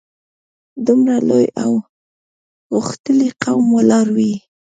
دومره لوی او غښتلی قوم ولاړ وي.